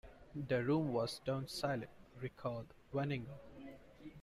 "The room was stone silent," recalled Veninger.